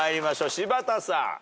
柴田さん。